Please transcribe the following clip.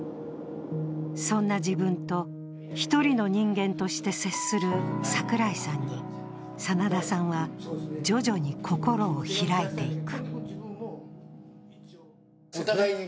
そんな自分と一人の人間として接する櫻井さんに真田さんは徐々に心を開いていく。